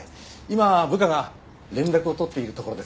今部下が連絡を取っているところです。